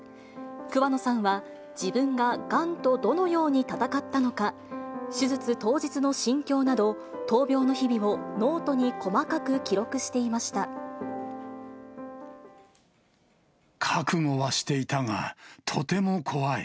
桑野さんは、自分ががんとどのように闘ったのか、手術当日の心境など、闘病の日々をノートに細かく記録していまし覚悟はしていたが、とても怖い。